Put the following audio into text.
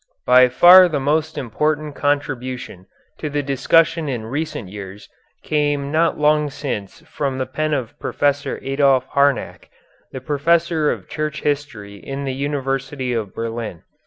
By far the most important contribution to the discussion in recent years came not long since from the pen of Professor Adolph Harnack, the professor of church history in the University of Berlin.